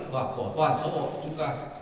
và của toàn xã hội của chúng ta